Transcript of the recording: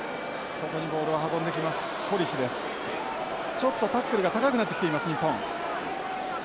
ちょっとタックルが高くなってきています日本。